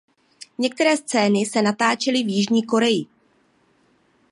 Některé scény se natáčely v Jižní Koreji.